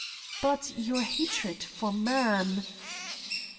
"But your hatred for man